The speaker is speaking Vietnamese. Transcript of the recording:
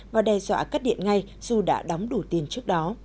và đe dọa cắt điện ngay dù đã đóng đủ tiền trước đó